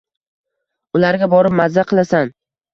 Ularga borib maza qilasan.